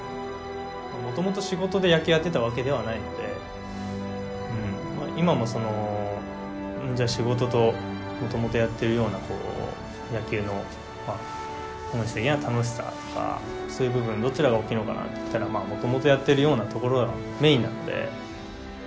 もともと仕事で野球やってたわけではないのでうん今もそのじゃあ仕事ともともとやってるような野球のまあ本質的な楽しさとかそういう部分どちらが大きいのかなって言ったらまあもともとやってるようなところがメインなので。